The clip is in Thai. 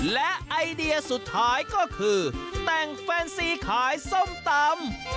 และไอเดียสุดท้ายก็คือแต่งแฟนซีขายส้มตำ